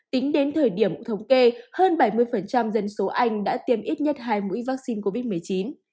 tính đến thời điểm thống kê hơn bảy mươi dân số anh đã tiêm ít nhất hai mũi vaccine covid một mươi chín